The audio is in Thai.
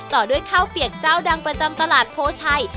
ต่อด้วยข้าวเปียกเจ้าดังประจำตลาดโพชัย